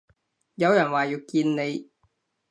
有人話要見你